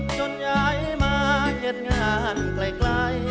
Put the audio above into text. จนย้ายมาเกิดงานใกล้